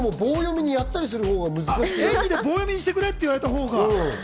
演技で棒読みにしてくれって言うほうが。